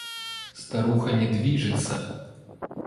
Старуха не движется.